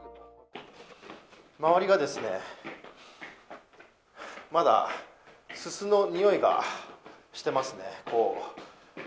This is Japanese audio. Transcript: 周りがですね、まだ、すすの臭いがしていますね。